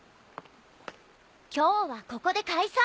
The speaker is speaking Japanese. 今日はここで解散！